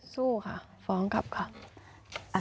สู้ค่ะฟ้องกลับค่ะ